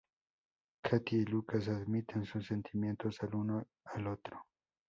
Katie y Lucas admiten sus sentimientos el uno al otro.